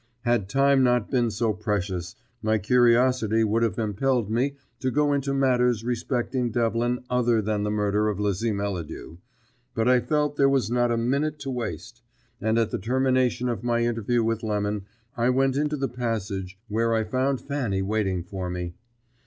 Had time not been so precious, my curiosity would have impelled me to go into matters respecting Devlin other than the murder of Lizzie Melladew, but I felt there was not a minute to waste; and at the termination of my interview with Lemon I went into the passage, where I found Fanny waiting for me.